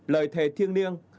một lời thề thiêng niêng